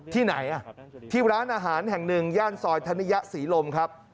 ที่ไหนที่ร้านอาหารแห่งหนึ่งย่านซอยธนิยะศรีลมครับ